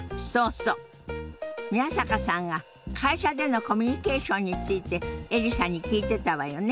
宮坂さんが会社でのコミュニケーションについてエリさんに聞いてたわよね。